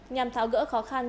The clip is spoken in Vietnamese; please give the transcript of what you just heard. nhằm tháo gỡ khó khăn